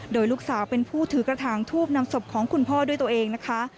โดยลูกสาวเป็นผู้ถือกระถางทูบนำศพของคุณพ่อด้วยตัวเองนะคะ